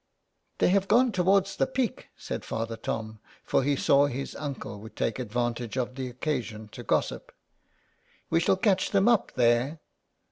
'' They have gone towards the Peak," said Father Tom, for he saw his uncle would take advantage of the occasion to gossip. '' We shall catch them up there.'